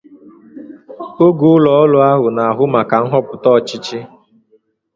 oge ụlọọrụ ahụ na-ahụ maka nhọpụta ọchịchị